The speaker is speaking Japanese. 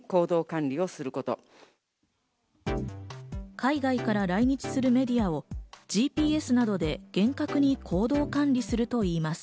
海外から来日するメディアをＧＰＳなどで厳格に行動管理するといいます。